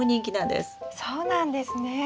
そうなんですね。